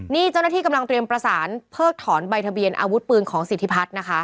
นี่เจ้าหน้าที่กำลังเตรียมประสานเพิกถอนใบทะเบียนอาวุธปืนของสิทธิพัฒน์นะคะ